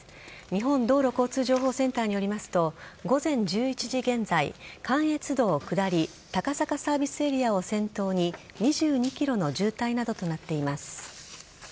日本道路交通情報センターによりますと午前１１時現在関越道下り高坂サービスエリアを先頭に２２ｋｍの渋滞などとなっています。